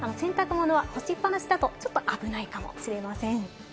洗濯物は干しっぱなしだとちょっと危ないかもしれません。